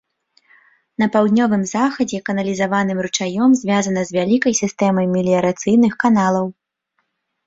На паўднёвым захадзе каналізаваным ручаём звязана з вялікай сістэмай меліярацыйных каналаў.